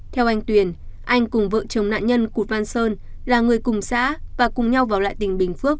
theo anh tuyền anh cùng vợ chồng nạn nhân cụt văn sơn là người cùng xã và cùng nhau vào lại tỉnh bình phước